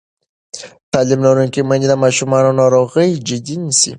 تعلیم لرونکې میندې د ماشومانو ناروغي جدي نیسي.